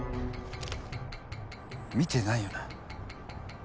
見てないよな？